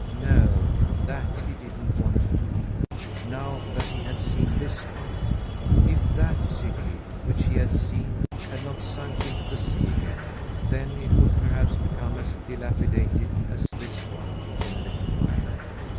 No, that he didn't want to do, now that he had seen this one. If that city, which he had seen, had not sunk into the sea again, then it would perhaps become as dilapidated as this one in a little while.